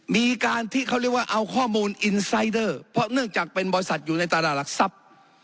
มีการที่เขาเรียกว่าเอาข้อมูลอินไซเดอร์เพราะเนื่องจากเป็นบริษัทอยู่ในตลาดหลักทรัพย์